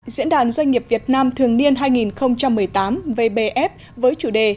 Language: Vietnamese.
diễn đàn doanh nghiệp việt nam thường niên hai nghìn một mươi tám vbf với chủ đề